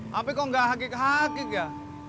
tapi kok gak sakit hakik ya